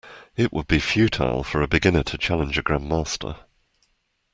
It would be futile for a beginner to challenge a grandmaster.